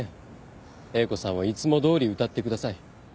英子さんはいつもどおり歌ってください。